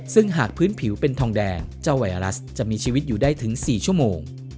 ซึ่งหากพื้นผิวเป็นทองแดงเจ้าไวรัสจะมีชีวิตอยู่ได้ถึง๔ชั่วโมง